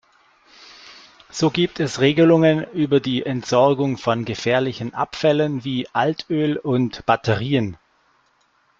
So gibt es Regelungen über die Entsorgung von gefährlichen Abfällen wie Altöl und Batterien.